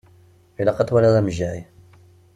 Ilaq ad twaliḍ amejjay.